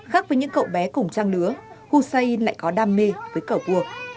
khác với những cậu bé cùng trang lứa hussein lại có đam mê với cậu vua